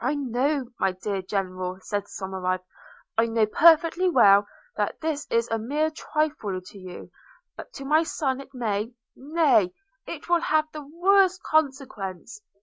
'I know, my dear General,' said Somerive, 'I know perfectly well that this is a mere trifle to you; but to my son it may, nay it will have the worst consequence.